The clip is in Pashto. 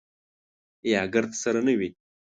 یا ګرد سره نه وي.